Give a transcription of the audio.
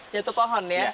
jatuh pohon ya